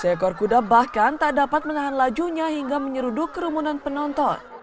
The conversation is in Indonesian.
si ekor kuda bahkan tak dapat menahan lajunya hingga menyeruluk kerumunan penonton